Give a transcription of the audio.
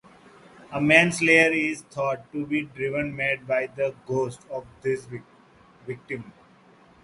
A manslayer is thought to be driven mad by the ghost of his victim.